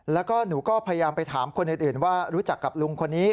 แล้วก็หนูก็พยายามไปถามคนอื่นว่ารู้จักกับลุงคนนี้